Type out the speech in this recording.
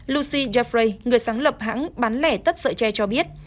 lucy jeffrey người sáng lập hãng bán lẻ tất sợi tre cho biết